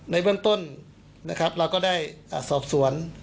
ในเวิมต้นนะครับเราก็ได้อาศอบสวน